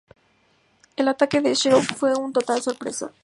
El ataque al "Sheffield" fue una total sorpresa.